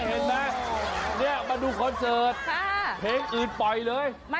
เห็นมั้ยนี่มาดูคอนเสิร์ตเพลงอื่นปล่อยเลยปล่อยผ่าน